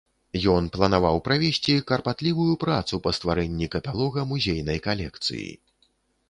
Ён планаваў правесці карпатлівую працу па стварэнні каталога музейнай калекцыі.